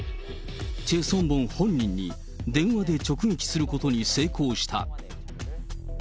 チェ・ソンボン本人に電話で直撃することに成功した。